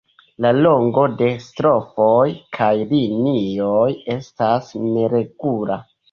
La longo de "strofoj" kaj linioj estas neregula.